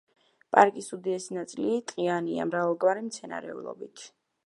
პარკის უდიდესი ნაწილი ტყიანია, მრავალგვარი მცენარეულობით.